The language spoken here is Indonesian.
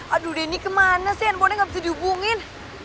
aduh denny kemana sih handphonenya nggak bisa dihubungin